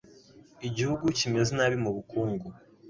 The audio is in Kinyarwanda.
Igihugu kimeze nabi mubukungu.